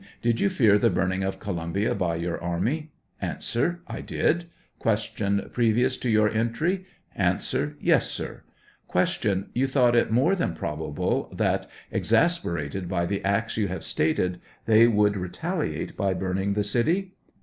Did you fear the burning of Columbia by your army ? A. I did. Q. Previous to your entry ? A. Yes, sir. Q. You thought it more than probable that, exas perated by the acts you have stated, they would re taliate by burning the city